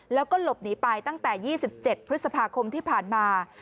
แล้วก็หลบหนีไปตั้งแต่๒๗พฤษภาคมที่ผ่านมา